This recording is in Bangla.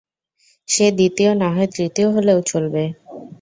সে দ্বিতীয় নাহয় তৃতীয় হলেও, চলবে।